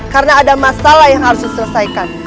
karena ada masalah yang harus diselesaikan